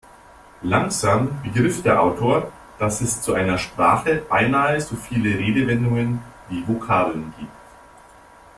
Langsam begriff der Autor, dass es zu einer Sprache beinahe so viele Redewendungen wie Vokabeln gibt.